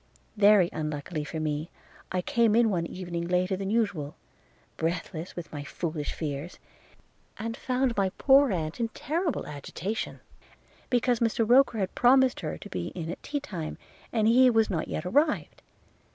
Very unluckily for me, I came in one evening later than usual, breathless with my foolish fears, and found my poor aunt in terrible agitation, because Mr Roker had promised her to be in at tea time, and he was not yet arrived.